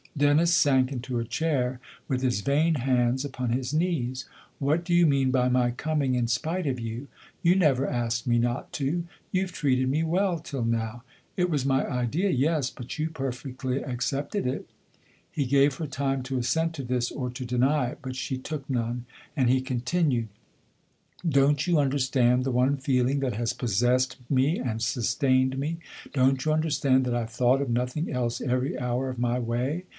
Dennis sank into a chair with his vain hands upon his knees. " What do you mean by my coming in spite of you ? You never asked me not to you've treated me well till now. It was my idea yes ; but you perfectly accepted it." He gave her time to assent to this or to deny it, but she took none, and he continued :" Don't you understand the one feeling that has possessed me and sustained me ? Don't you understand that 72 THE OTHER HOUSE I've thought of nothing else every hour of my way